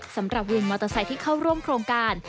สำหรับวินมอเตอร์ไซค์ที่เข้าร่วมโครงการ